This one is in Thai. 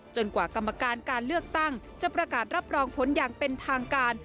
กว่ากรรมการการเลือกตั้งจะประกาศรับรองผลอย่างเป็นทางการ